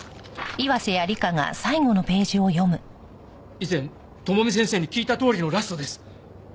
以前智美先生に聞いたとおりのラストです。